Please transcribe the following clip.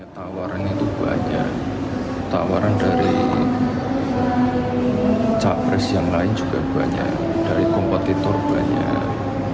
tawaran itu banyak tawaran dari cak pres yang lain juga banyak dari kompetitor banyak